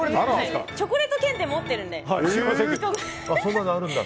チョコレート検定持ってるので。